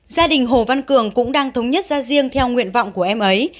gia đình hồ văn cường cũng đang thống nhất ra riêng theo nguyện vọng của em ấy